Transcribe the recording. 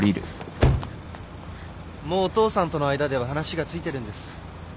もうお父さんとの間では話がついてるんです。